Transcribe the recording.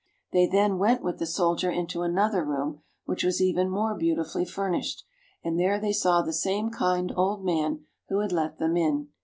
They then went with the soldier into another room which was even more beauti fully furnished, and there they saw the same kind old man who had let them in.